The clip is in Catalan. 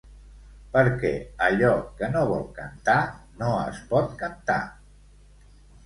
Perquè allò que no vol cantar no es pot cantar.